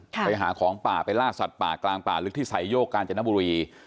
ไปหาของป่าไปล่าสัตว์ป่ากลางป่าลึกที่ไซโยกกาญจนบุรี